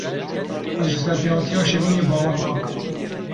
Ez ji serpêhatiya Şevînê bawer nakim.